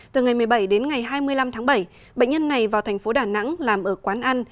từ ngày một mươi bảy đến ngày hai mươi năm tháng bảy bệnh nhân này vào thành phố đà nẵng làm ở quán ăn